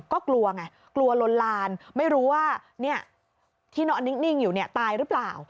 ก็กลัวไงกลัวลนลานไม่รู้ว่าที่นอนนิ่งอยู่ตายหรือเปล่า